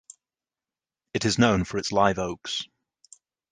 It is known for its live oaks.